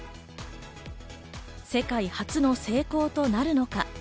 世界初の成功となるのか？